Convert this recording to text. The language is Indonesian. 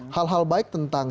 hal hal baik tentang